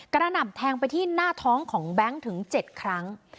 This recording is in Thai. หน่ำแทงไปที่หน้าท้องของแบงค์ถึง๗ครั้ง